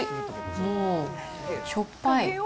もう、しょっぱい。